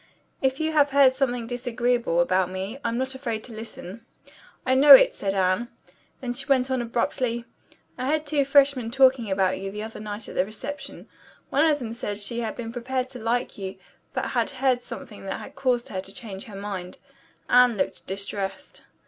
If you have heard something disagreeable about me, I'm not afraid to listen." "I know it," said Anne. Then she went on almost abruptly. "I heard two freshmen talking about you the other night at the reception. One of them said that she had been prepared to like you, but had heard something that had caused her to change her mind." Anne looked distressed.